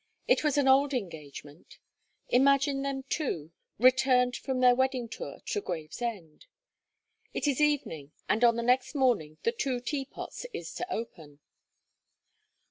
It was an old engagement Imagine them, too, retained from their wedding tour to Gravesend. It is evening; and on the next morning, "The two Teapots" is to open.